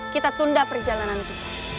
kita tunda perjalanan itu